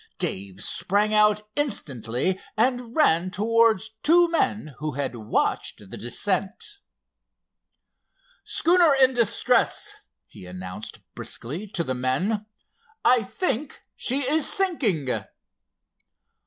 Dave sprang out instantly and ran towards two men who had watched the descent. "Schooner in distress," he announced briskly to the men. "I think she is sinking."